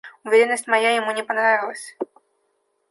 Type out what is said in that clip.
Уверенность моя ему не понравилась.